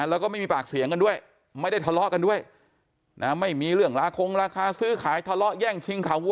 แล้วก็ไม่มีปากเสียงกันด้วยไม่ได้ทะเลาะกันด้วยนะไม่มีเรื่องราคงราคาซื้อขายทะเลาะแย่งชิงขาวัว